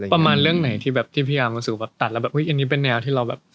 ประมาณเรื่องไหนที่แบบที่พยายามรู้สึกว่าตัดแล้วแบบเฮ้ยอันนี้เป็นแนวที่เราแบบ